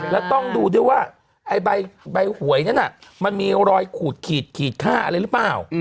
แล้วต้องดูด้วยว่าไอ้ใบหวยนั้นมันมีรอยขูดขีดขีดค่าอะไรหรือเปล่า